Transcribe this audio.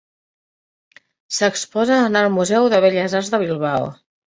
S'exposa en el Museu de Belles Arts de Bilbao.